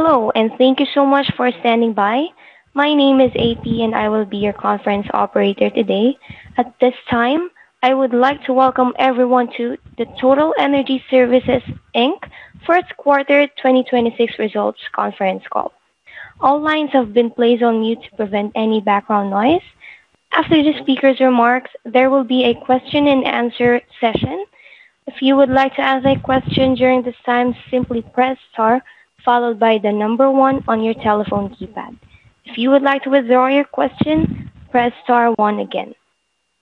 Hello, and thank you so much for standing by. My name is [AP], and I will be your conference operator today. At this time, I would like to welcome everyone to the Total Energy Services Inc first quarter 2026 results conference call. All lines have been placed on mute to prevent any background noise. After the speaker's remarks, there will be a question-and-answer session. If you would like to ask a question during this time, simply press star followed by the number one on your telephone keypad. If you would like to withdraw your question, press star one again.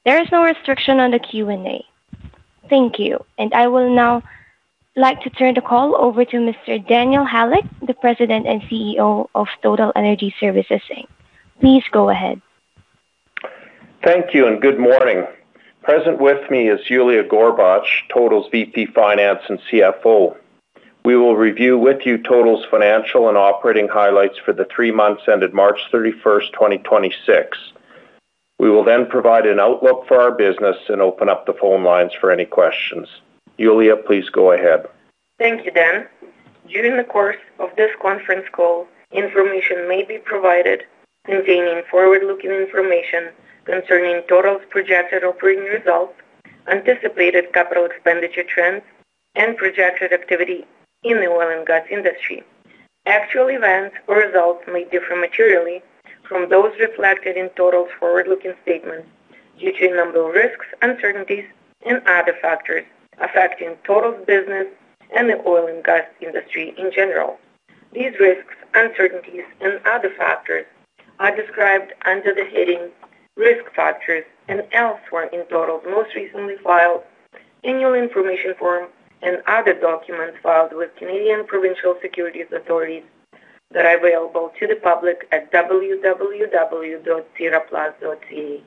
There is no restriction on the Q&A. Thank you. I will now like to turn the call over to Mr. Daniel Halyk, the President and CEO of Total Energy Services Inc. Please go ahead. Thank you and good morning. Present with me is Yuliya Gorbach, Total's VP, Finance and CFO. We will review with you Total's financial and operating highlights for the three months ended March 31st, 2026. We will provide an outlook for our business and open up the phone lines for any questions. Yuliya, please go ahead. Thank you, Dan. During the course of this conference call, information may be provided containing forward-looking information concerning Total's projected operating results, anticipated capital expenditure trends, and projected activity in the oil and gas industry. Actual events or results may differ materially from those reflected in Total's forward-looking statements due to a number of risks, uncertainties, and other factors affecting Total's business and the oil and gas industry in general. These risks, uncertainties, and other factors are described under the heading Risk Factors and elsewhere in Total's most recently filed annual information form and other documents filed with Canadian provincial securities authorities that are available to the public at www.sedarplus.ca.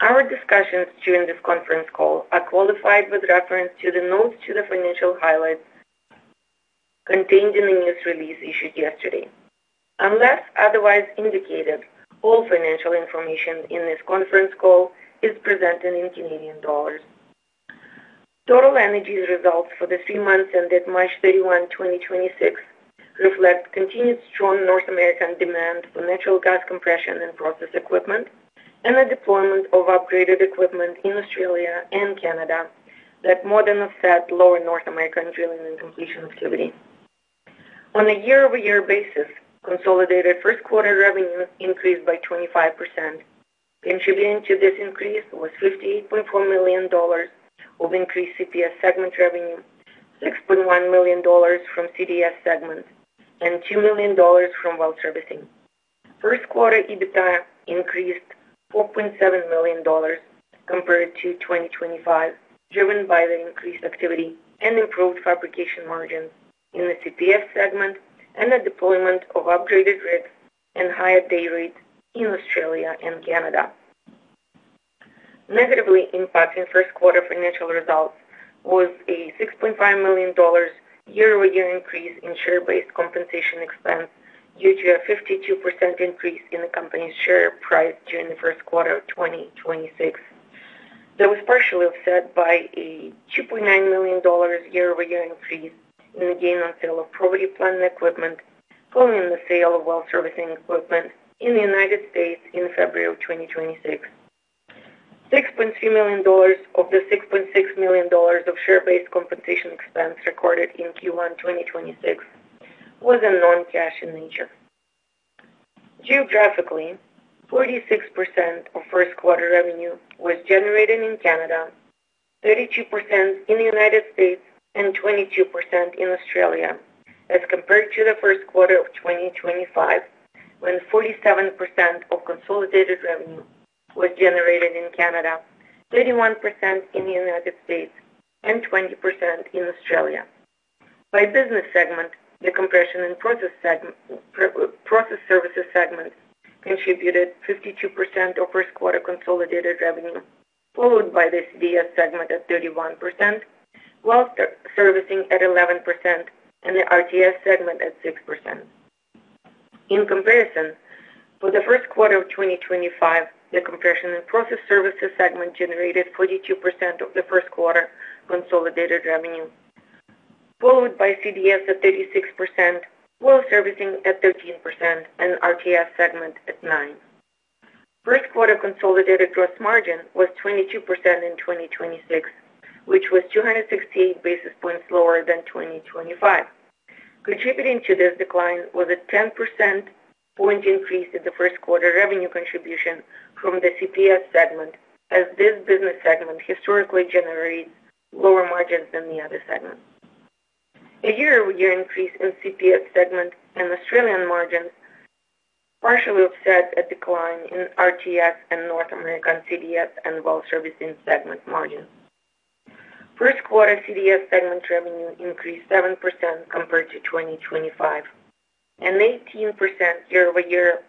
Our discussions during this conference call are qualified with reference to the notes to the financial highlights contained in the news release issued yesterday. Unless otherwise indicated, all financial information in this conference call is presented in Canadian dollars. Total Energy's results for the three months ended March 31, 2026 reflect continued strong North American demand for natural gas compression and process equipment and the deployment of upgraded equipment in Australia and Canada that more than offset lower North American drilling and completion activity. On a year-over-year basis, consolidated first quarter revenues increased by 25%. Contributing to this increase was 58.4 million dollars of increased CPS segment revenue, 6.1 million dollars from CDS segments and 2 million dollars from Well Servicing. First quarter EBITDA increased 4.7 million dollars compared to 2025, driven by the increased activity and improved fabrication margins in the CPS segment and the deployment of upgraded rigs and higher day rates in Australia and Canada. Negatively impacting first quarter financial results was a 6.5 million dollars year-over-year increase in share-based compensation expense due to a 52% increase in the company's share price during the first quarter of 2026. That was partially offset by a 2.9 million dollars year-over-year increase in the gain on sale of property, plant, and equipment following the sale of well servicing equipment in the United States in February of 2026. CAD 6.3 million of the 6.6 million dollars of share-based compensation expense recorded in Q1 2026 was non-cash in nature. Geographically, 46% of first quarter revenue was generated in Canada, 32% in the United States, and 22% in Australia as compared to the first quarter of 2025 when 47% of consolidated revenue was generated in Canada, 31% in the United States, and 20% in Australia. By business segment, the Compression and Process Services segment contributed 52% of first quarter consolidated revenue, followed by the CDS segment at 31%, Well Servicing at 11%, and the RTS segment at 6%. In comparison, for the first quarter of 2025, the Compression and Process Services segment generated 42% of the first quarter consolidated revenue, followed by CDS at 36%, Well Servicing at 13%, and RTS segment at 9%. First quarter consolidated gross margin was 22% in 2026, which was 260 basis points lower than 2025. Contributing to this decline was a 10 percentage point increase in the first quarter revenue contribution from the CPS segment, as this business segment historically generates lower margins than the other segments. A year-over-year increase in CPS segment and Australian margins partially offset a decline in RTS and North American CDS and Well Servicing segment margins. First quarter CDS segment revenue increased 7% compared to 2025. An 18% year-over-year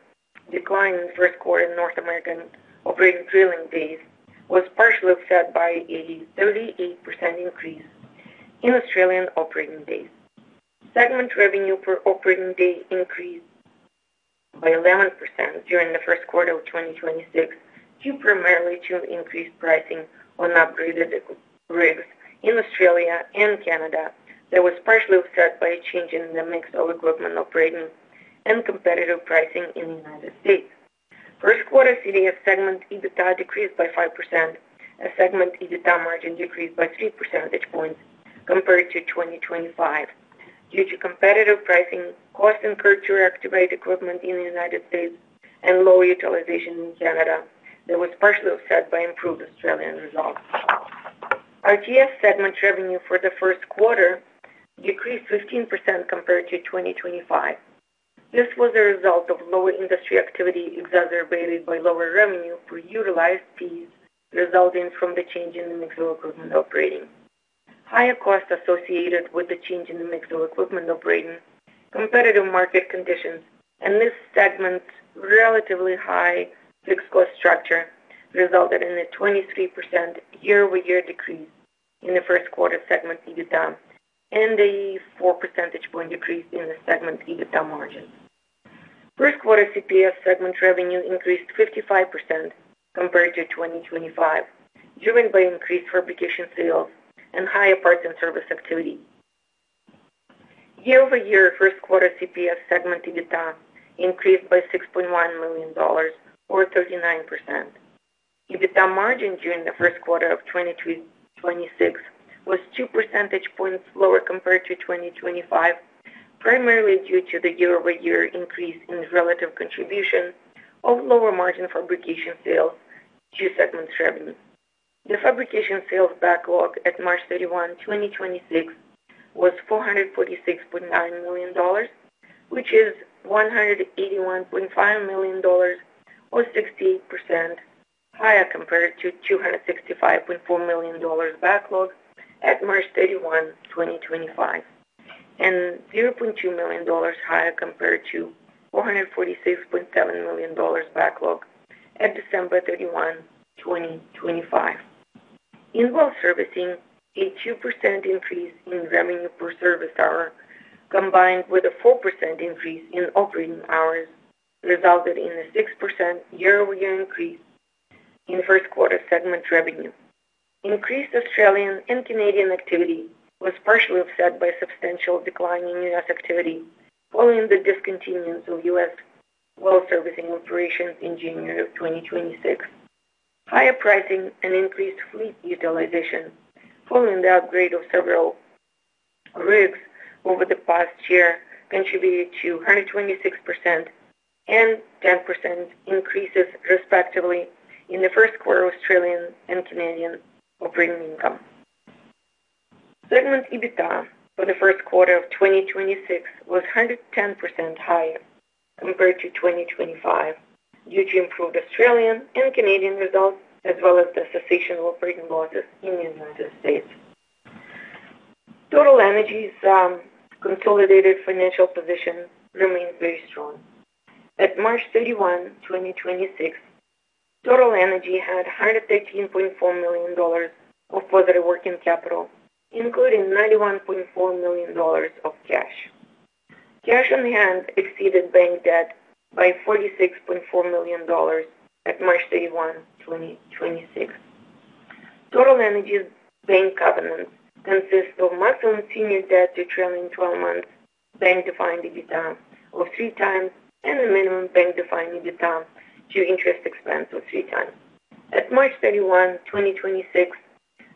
decline in first quarter North American operating drilling days was partially offset by a 38% increase in Australian operating days. Segment revenue per operating day increased by 11% during the first quarter of 2026, due primarily to increased pricing on upgraded rigs in Australia and Canada that was partially offset by a change in the mix of equipment operating and competitive pricing in the United States. First quarter CDS segment EBITDA decreased by 5% as segment EBITDA margin decreased by 3 percentage points compared to 2025 due to competitive pricing, costs incurred to reactivate equipment in the United States, and low utilization in Canada that was partially offset by improved Australian results. RTS segment revenue for the first quarter decreased 15% compared to 2025. This was a result of lower industry activity exacerbated by lower revenue for utilized fees resulting from the change in the mix of equipment operating. Higher costs associated with the change mix of equipment operating, competitive market conditions, and this segment's relatively high fixed cost structure resulted in a 23% year-over-year decrease in the first quarter segment EBITDA and a 4 percentage point decrease in the segment EBITDA margin. First quarter CPS segment revenue in the increased 55% compared to 2025, driven by increased fabrication sales and higher parts and service activity. Year-over-year, first quarter CPS segment EBITDA increased by 6.1 million dollars or 39%. EBITDA margin during the first quarter of 2026 was 2 percentage points lower compared to 2025, primarily due to the year-over-year increase in relative contribution of lower margin fabrication sales to segment revenue. The fabrication sales backlog at March 31, 2026 was 446.9 million dollars, which is 181.5 million dollars or 68% higher compared to 265.4 million dollars backlog at March 31, 2025, and 0.2 million dollars higher compared to 446.7 million dollars backlog at December 31, 2025. In Well Servicing, a 2% increase in revenue per service hour combined with a 4% increase in operating hours resulted in a 6% year-over-year increase in first quarter segment revenue. Increased Australian and Canadian activity was partially offset by a substantial decline in U.S. activity following the discontinuance of U.S. well servicing operations in January of 2026. Higher pricing and increased fleet utilization following the upgrade of several rigs over the past year contributed to 126% and 10% increases, respectively, in the first quarter Australian and Canadian operating income. Segment EBITDA for the first quarter of 2026 was 110% higher compared to 2025 due to improved Australian and Canadian results as well as the cessation of operating losses in the United States. Total Energy's consolidated financial position remains very strong. At March 31, 2026, Total Energy had CAD 113.4 million of further working capital, including CAD 91.4 million of cash. Cash on hand exceeded bank debt by CAD 46.4 million at March 31, 2026. Total Energy's bank covenants consist of maximum senior debt to trailing 12 months bank-defined EBITDA of 3x and a minimum bank-defined EBITDA to interest expense of 3x. At March 31, 2026,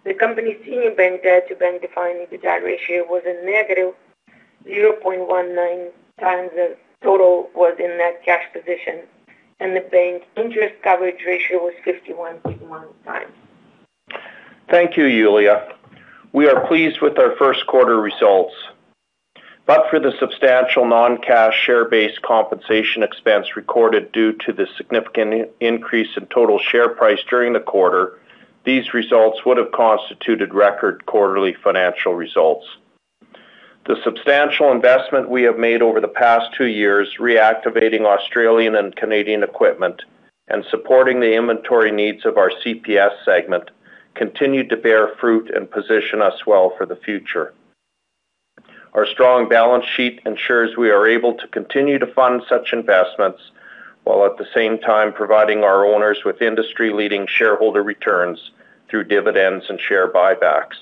the company's senior bank debt-to-bank-defined EBITDA ratio was a negative 0.19x the total was in net cash position, and the bank interest coverage ratio was 51.1x. Thank you, Yuliya. We are pleased with our first quarter results. For the substantial non-cash share-based compensation expense recorded due to the significant increase in Total share price during the quarter, these results would have constituted record quarterly financial results. The substantial investment we have made over the past two years reactivating Australian and Canadian equipment and supporting the inventory needs of our CPS segment continued to bear fruit and position us well for the future. Our strong balance sheet ensures we are able to continue to fund such investments while at the same time providing our owners with industry-leading shareholder returns through dividends and share buybacks.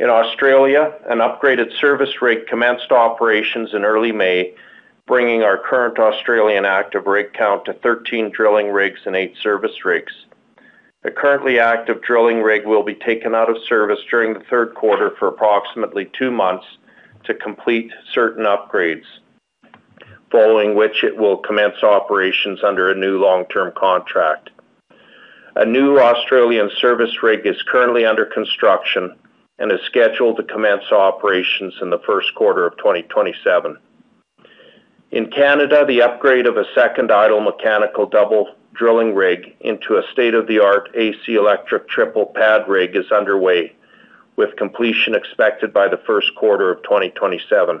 In Australia, an upgraded service rig commenced operations in early May, bringing our current Australian active rig count to 13 drilling rigs and eight service rigs. The currently active drilling rig will be taken out of service during the third quarter for approximately two months to complete certain upgrades, following which it will commence operations under a new long-term contract. A new Australian service rig is currently under construction and is scheduled to commence operations in the first quarter of 2027. In Canada, the upgrade of a second idle mechanical double drilling rig into a state-of-the-art AC electric triple pad rig is underway, with completion expected by the first quarter of 2027.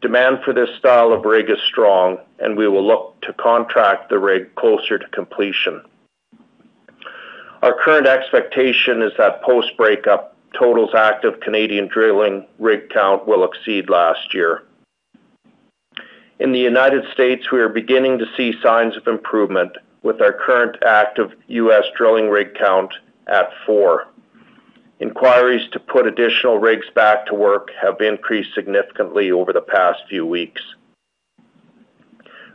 Demand for this style of rig is strong, and we will look to contract the rig closer to completion. Our current expectation is that post breakup Total's active Canadian drilling rig count will exceed last year. In the United States, we are beginning to see signs of improvement with our current active U.S. drilling rig count at four. Inquiries to put additional rigs back to work have increased significantly over the past few weeks.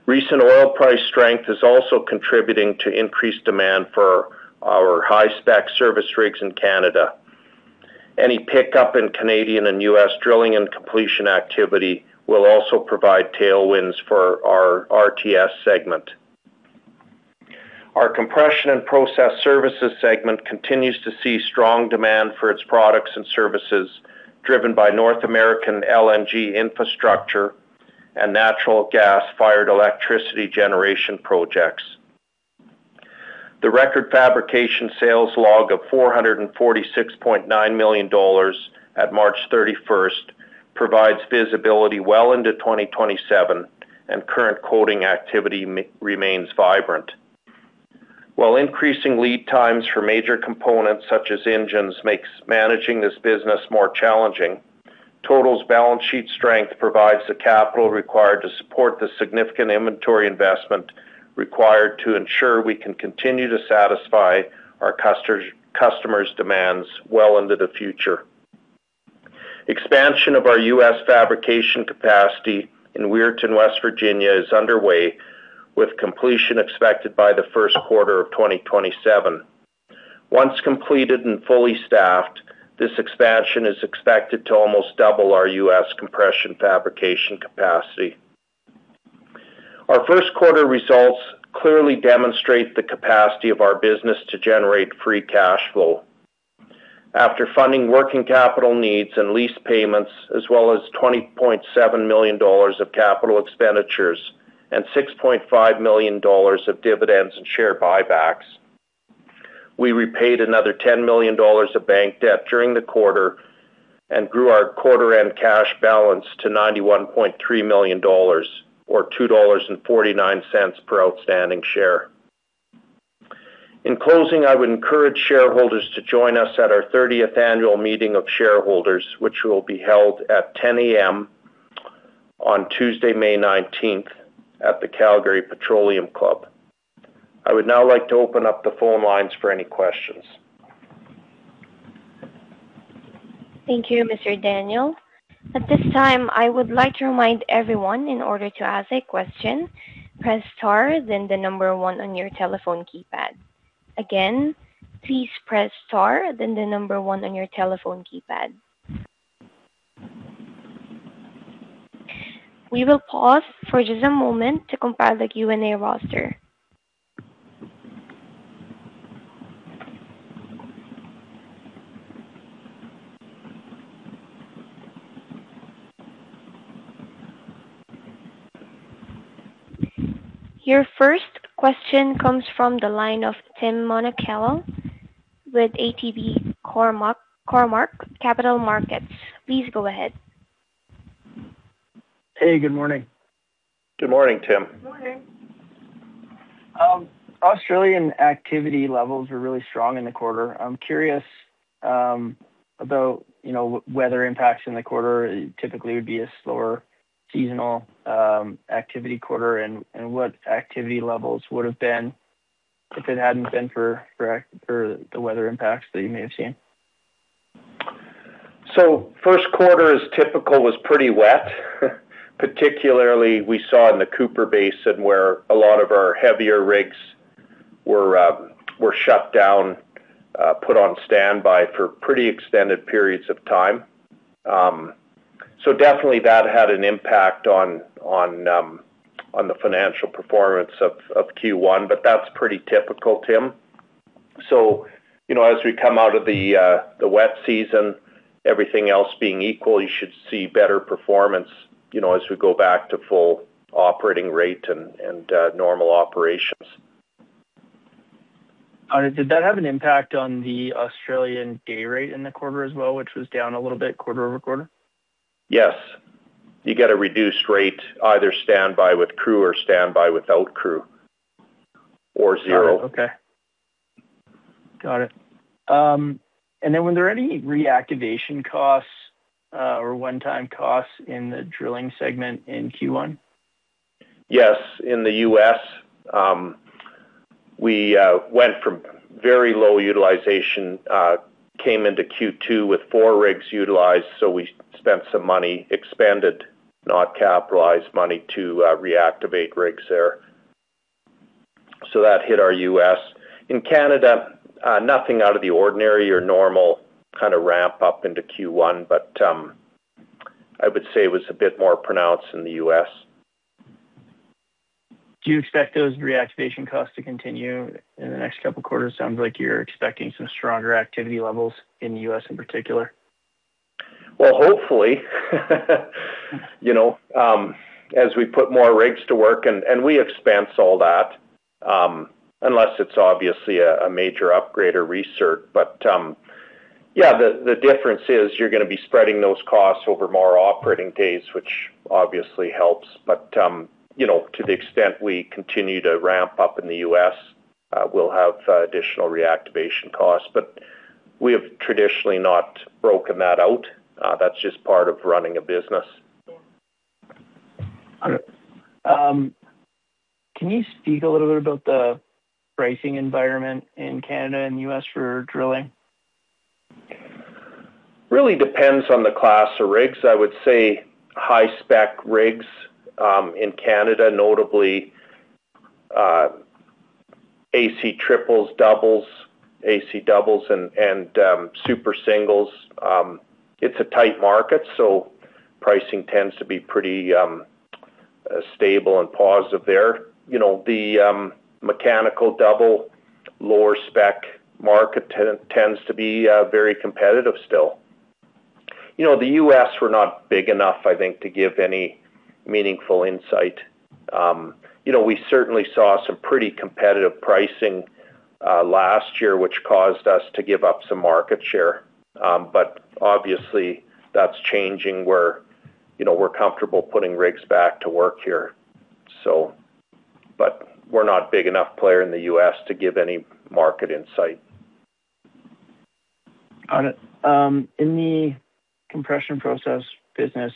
Recent oil price strength is also contributing to increased demand for our high-spec service rigs in Canada. Any pickup in Canadian and U.S. drilling and completion activity will also provide tailwinds for our RTS segment. Our Compression and Process Services segment continues to see strong demand for its products and services driven by North American LNG infrastructure and natural gas-fired electricity generation projects. The record fabrication sales log of 446.9 million dollars at March 31st provides visibility well into 2027, and current quoting activity remains vibrant. While increasing lead times for major components such as engines makes managing this business more challenging, Total's balance sheet strength provides the capital required to support the significant inventory investment required to ensure we can continue to satisfy our customers' demands well into the future. Expansion of our U.S. fabrication capacity in Weirton, West Virginia, is underway with completion expected by the first quarter of 2027. Once completed and fully staffed, this expansion is expected to almost double our U.S. compression fabrication capacity. Our first quarter results clearly demonstrate the capacity of our business to generate free cash flow. After funding working capital needs and lease payments, as well as 20.7 million dollars of capital expenditures and 6.5 million dollars of dividends and share buybacks, we repaid another 10 million dollars of bank debt during the quarter and grew our quarter-end cash balance to 91.3 million dollars or 2.49 dollars per outstanding share. In closing, I would encourage shareholders to join us at our 30th annual meeting of shareholders, which will be held at 10:00 A.M. on Tuesday, May 19th, at the Calgary Petroleum Club. I would now like to open up the phone lines for any questions. Thank you, Mr. Daniel. At this time, I would like to remind everyone in order to ask a question, press star then the number one on your telephone keypad. Again, please press star then the number one on your telephone keypad. We will pause for just a moment to compile the Q&A roster. Your first question comes from the line of Tim Monachello with ATB Cormark Capital Markets. Please go ahead. Hey, good morning. Good morning, Tim. Good morning. Australian activity levels were really strong in the quarter. I'm curious, about, you know, weather impacts in the quarter. It typically would be a slower seasonal, activity quarter and what activity levels would have been if it hadn't been for the weather impacts that you may have seen? First quarter is typical, was pretty wet. Particularly, we saw in the Cooper Basin where a lot of our heavier rigs were shut down, put on standby for pretty extended periods of time. Definitely that had an impact on the financial performance of Q1, but that's pretty typical, Tim. You know, as we come out of the wet season, everything else being equal, you should see better performance, you know, as we go back to full operating rate and normal operations. Did that have an impact on the Australian day rate in the quarter as well, which was down a little bit quarter-over-quarter? Yes. You get a reduced rate, either standby with crew or standby without crew or zero. Got it. Okay. Got it. Were there any reactivation costs or one-time costs in the Drilling segment in Q1? Yes. In the U.S., we went from very low utilization, came into Q2 with four rigs utilized, so we spent some money, expanded, not capitalized money to reactivate rigs there. That hit our U.S. In Canada, nothing out of the ordinary or normal kinda ramp up into Q1. I would say it was a bit more pronounced in the U.S. Do you expect those reactivation costs to continue in the next couple quarters? Sounds like you're expecting some stronger activity levels in the U.S. in particular. Well, hopefully. You know, as we put more rigs to work and we expense all that, unless it's obviously a major upgrade or recert. The difference is you're gonna be spreading those costs over more operating days, which obviously helps. You know, to the extent we continue to ramp up in the U.S., we'll have additional reactivation costs. We have traditionally not broken that out. That's just part of running a business. Can you speak a little bit about the pricing environment in Canada and U.S. for drilling? Really depends on the class of rigs. I would say high-spec rigs, in Canada, notably, AC triples, doubles, AC doubles and super singles. It's a tight market, so pricing tends to be pretty stable and positive there. You know, the mechanical double lower spec market tends to be very competitive still. You know, the U.S. we're not big enough, I think, to give any meaningful insight. You know, we certainly saw some pretty competitive pricing last year, which caused us to give up some market share. Obviously that's changing where, you know, we're comfortable putting rigs back to work here, so we're not big enough player in the U.S. to give any market insight. Got it. In the Compression Process business,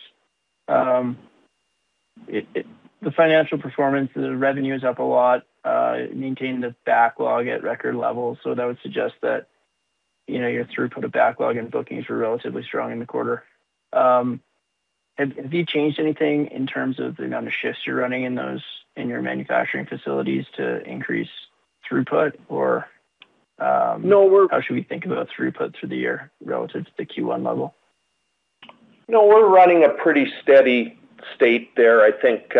the financial performance, the revenue is up a lot, maintaining the backlog at record levels. That would suggest that, you know, your throughput of backlog and bookings were relatively strong in the quarter. Have you changed anything in terms of the number of shifts you're running in those, in your manufacturing facilities to increase throughput, or? No, we're- How should we think about throughput through the year relative to the Q1 level? No, we're running a pretty steady state there. I think,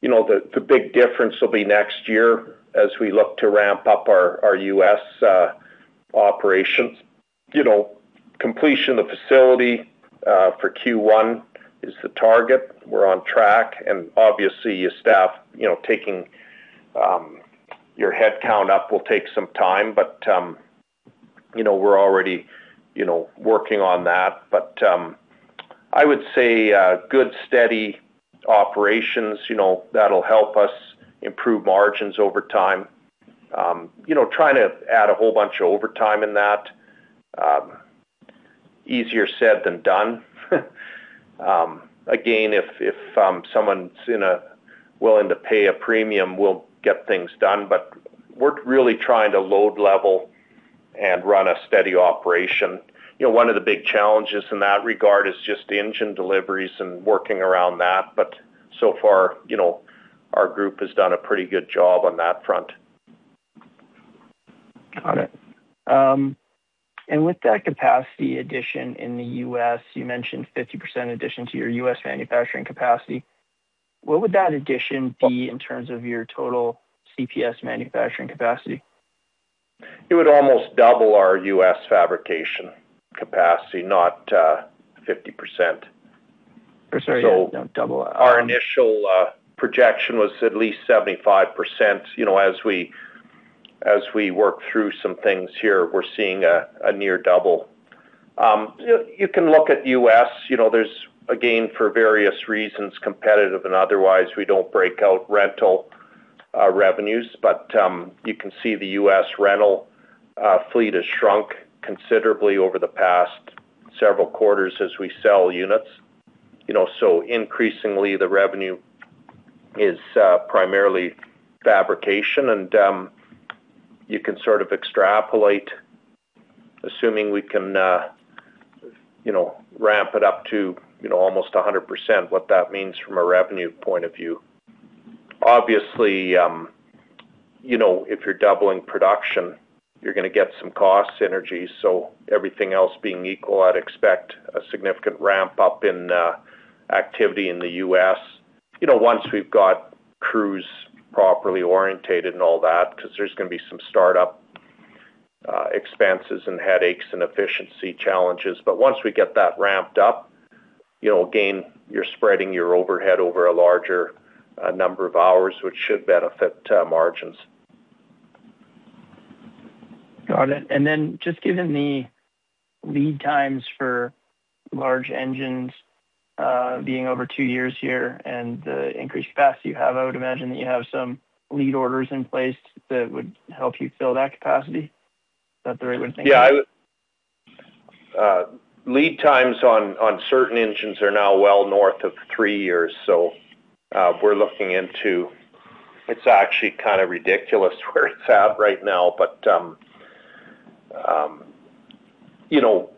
you know, the big difference will be next year as we look to ramp up our U.S. operations. You know, completion of facility for Q1 is the target. We're on track and obviously your staff, you know, taking your headcount up will take some time. You know, we're already, you know, working on that. I would say good steady operations, you know, that'll help us improve margins over time. You know, trying to add a whole bunch of overtime in that, easier said than done. Again, if someone's willing to pay a premium, we'll get things done. We're really trying to load level and run a steady operation. You know, one of the big challenges in that regard is just engine deliveries and working around that. So far, you know, our group has done a pretty good job on that front. Got it. With that capacity addition in the U.S., you mentioned 50% addition to your U.S. manufacturing capacity. What would that addition be in terms of your total CPS manufacturing capacity? It would almost double our U.S. fabrication capacity, not, 50%. Oh, sorry. Yeah, double. Our initial projection was at least 75%. You know, as we work through some things here, we're seeing a near double. You can look at U.S. You know, there's, again, for various reasons, competitive and otherwise, we don't break out rental revenues. You can see the U.S. rental fleet has shrunk considerably over the past several quarters as we sell units. You know, increasingly the revenue is primarily fabrication. You can sort of extrapolate, assuming we can, you know, ramp it up to, you know, almost 100% what that means from a revenue point of view. Obviously, you know, if you're doubling production, you're gonna get some cost synergies. Everything else being equal, I'd expect a significant ramp up in activity in the U.S., you know, once we've got crews properly oriented and all that, 'cause there's gonna be some startup expenses and headaches and efficiency challenges. Once we get that ramped up, you know, again, you're spreading your overhead over a larger number of hours, which should benefit margins. Got it. Just given the lead times for large engines, being over two years here and the increased capacity you have, I would imagine that you have some lead orders in place that would help you fill that capacity. Is that the right way to think about it? Yeah. Lead times on certain engines are now well north of three years. It's actually kind of ridiculous where it's at right now. You know,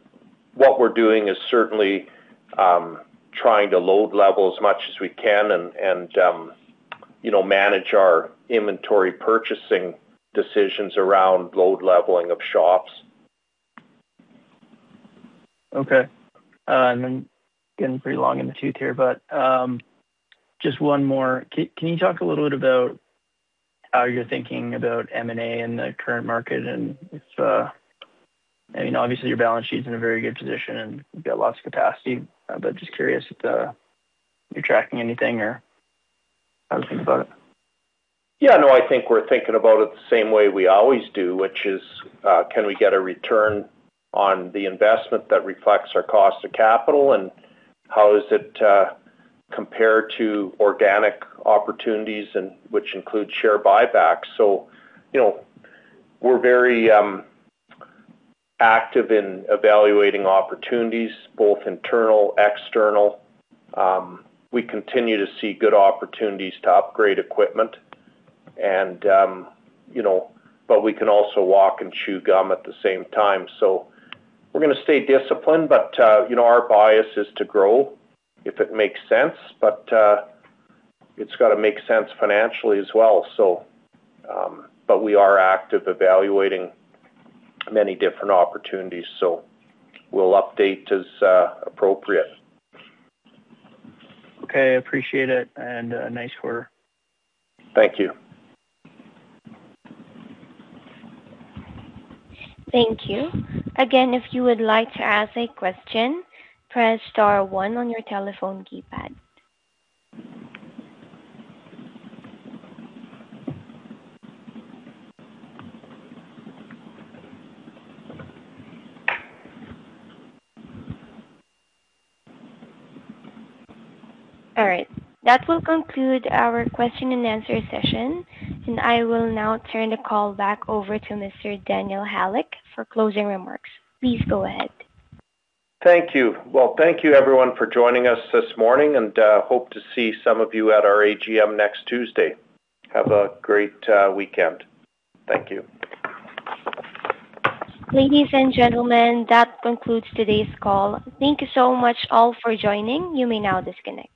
what we're doing is certainly trying to load level as much as we can and, you know, manage our inventory purchasing decisions around load leveling of shops. Okay. Getting pretty long in the tooth here, but just one more. Can you talk a little bit about how you're thinking about M&A in the current market? If I mean, obviously your balance sheet's in a very good position and you've got lots of capacity. Just curious if you're tracking anything or how to think about it. Yeah, no, I think we're thinking about it the same way we always do, which is, can we get a return on the investment that reflects our cost of capital and how does it compare to organic opportunities and which includes share buybacks? You know, we're very active in evaluating opportunities, both internal, external. We continue to see good opportunities to upgrade equipment and, you know, we can also walk and chew gum at the same time. We're gonna stay disciplined, you know, our bias is to grow if it makes sense. It's gotta make sense financially as well. We are active evaluating many different opportunities, we'll update as appropriate. Okay. I appreciate it and, nice quarter. Thank you. Thank you. Again, if you would like to ask a question, press star one on your telephone keypad. All right. That will conclude our question-and-answer session, and I will now turn the call back over to Mr. Daniel Halyk for closing remarks. Please go ahead. Thank you. Well, thank you everyone for joining us this morning, and hope to see some of you at our AGM next Tuesday. Have a great weekend. Thank you. Ladies and gentlemen, that concludes today's call. Thank you so much all for joining. You may now disconnect. Goodbye.